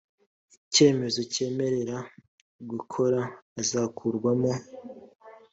icyemezo cyemerera gukora azakurwamo